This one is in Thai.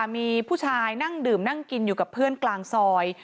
มีผู้ชายนั่งดื่มนั่งกินอยู่กับเพื่อนกลางซอย